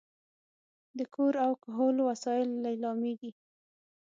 د کور او کهول وسایل لیلامېږي.